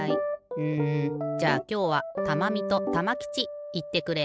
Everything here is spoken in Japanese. うんじゃあきょうはたまみとたまきちいってくれ。